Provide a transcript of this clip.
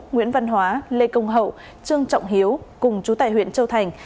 nguyễn văn hóa lê công hậu trương trọng hiếu cùng chú tại huyện châu thành